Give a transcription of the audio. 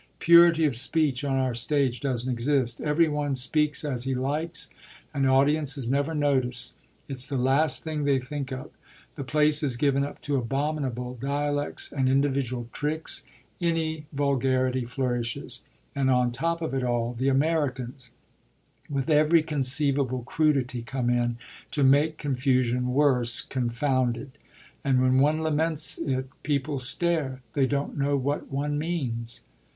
"Purity of speech, on our stage, doesn't exist. Every one speaks as he likes and audiences never notice; it's the last thing they think of. The place is given up to abominable dialects and individual tricks, any vulgarity flourishes, and on top of it all the Americans, with every conceivable crudity, come in to make confusion worse confounded. And when one laments it people stare; they don't know what one means."